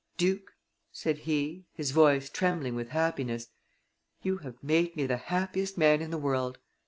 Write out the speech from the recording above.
"Duke," said he, his voice trembling with happiness, "you have made me the happiest man in the world.